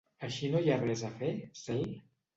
Així no hi ha res a fer, Cel?